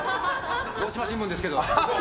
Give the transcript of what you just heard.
大島新聞ですけど。